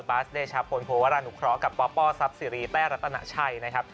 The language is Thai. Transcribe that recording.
บ๊าสเดชาโพนโพลวรานุเคราะห์กับป๊อปป้อซับซีรีส์แต้รัตนาชัย